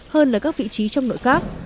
hơn là các vị trí trong nội các